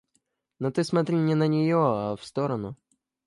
Но ты смотри не на нее, а в сторону.